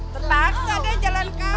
tertakut aja jalan kapan